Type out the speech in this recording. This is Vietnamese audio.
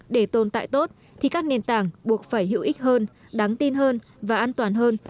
để tồn tại tốt thì các nền tảng buộc phải hữu ích hơn đáng tin hơn và an toàn hơn